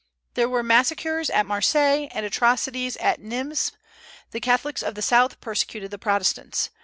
There were massacres at Marseilles, and atrocities at Nismes; the Catholics of the South persecuted the Protestants.